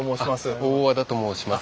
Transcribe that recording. あっ大和田と申します。